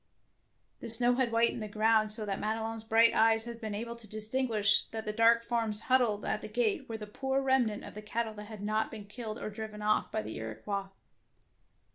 '' The snow had whitened the ground, so that Madelon' s bright eyes had been able to distinguish that the dark forms huddled at the gate were the poor remnant of the cattle that had not been killed or driven off by the Iro quois.